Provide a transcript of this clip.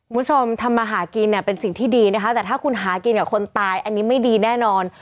คุณผู้ชมทำมาหากินเนี่ยเป็นสิ่งที่ดีนะคะแต่ถ้าคุณหากินกับคนตายอันนี้ไม่ดีแน่นอน